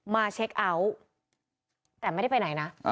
มาเช็คเอาท์แต่ไม่ได้ไปไหนนะ